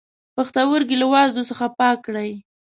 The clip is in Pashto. پښتورګی له وازدو څخه پاک کړئ.